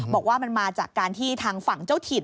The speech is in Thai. บอกว่ามันมาจากการที่ทางฝั่งเจ้าถิ่น